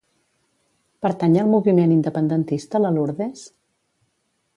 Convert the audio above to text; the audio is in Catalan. Pertany al moviment independentista la Lourdes?